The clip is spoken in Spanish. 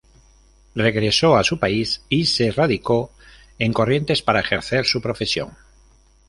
Regresó a su país y se radicó en Corrientes para ejercer su profesión.